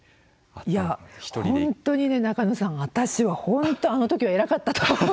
いや本当にね中野さん私は本当あの時は偉かったと思う。